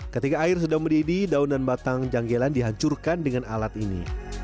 ketika air sedang mendidih daun dan batang janggelan dihancurkan dengan alat ini